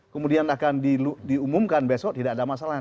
kemudian akan diumumkan besok tidak ada masalah